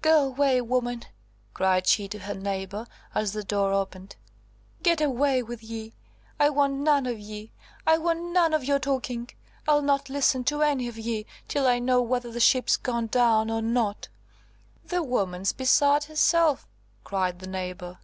"Go away, woman!" cried she to her neighbour, as the door opened. "Get away wi' ye! I want none of ye! I want none of your talking! I'll not listen to any of ye till I know whether the ship's gone down or not!" "The woman's beside herself!" cried the neighbour.